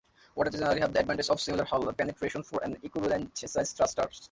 Waterjets generally have the advantage of smaller hull penetrations for an equivalent size thruster.